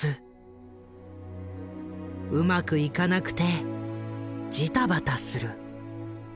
うまくいかなくてじたばたする。